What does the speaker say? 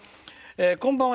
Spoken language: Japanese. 「こんばんは。